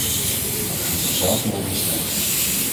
Het aantal zelfmoorden stijgt.